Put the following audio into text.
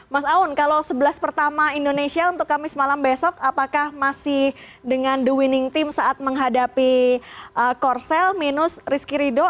mas aun kalau sebelas pertama indonesia untuk kamis malam besok apakah masih dengan the winning team saat menghadapi korsel minus rizky rido